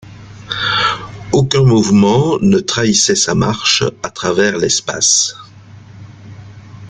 Aucun mouvement ne trahissait sa marche à travers l’espace.